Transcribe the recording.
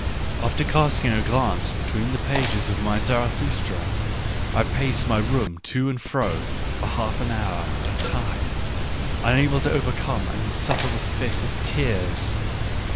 ... After casting a glance between the pages of my Zarathustra y I pace my room to and fro for half an hour at a time, unable to overcome an insufferable fit of tears.